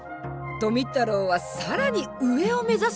富太郎は更に上を目指すのです！